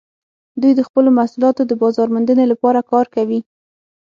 دوی د خپلو محصولاتو د بازارموندنې لپاره کار کوي